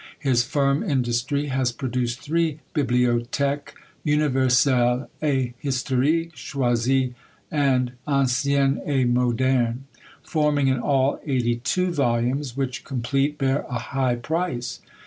His firm industry has produced three Bibliothèques Universelle et Historique, Choisie, and Ancienne et Moderne; forming in all eighty two volumes, which, complete, bear a high price.